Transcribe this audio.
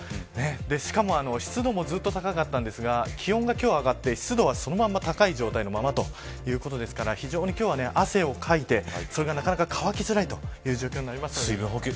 しかも湿度もずっと高かったんですが気温が今日上がって湿度はそのまま高い状態のままってことですから非常に今日は、汗をかいてそれが、なかなか乾きづらいという状況になります。